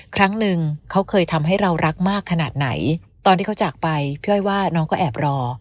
ครั้งหนึ่งเขาเคยทำให้เรารักมากขนาดไหนตอนที่เขาจากไปพี่อ้อยว่าน้องก็แอบรอ